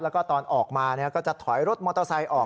แล้วก็ตอนออกมาก็จะถอยรถมอเตอร์ไซค์ออก